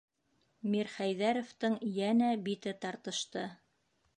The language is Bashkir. - Мирхәйҙәровтың йәнә бите тартышты.